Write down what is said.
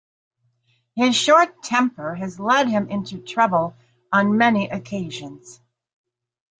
His short temper has led him into trouble on many occasions.